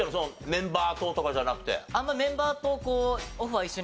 メンバーととかじゃなくて。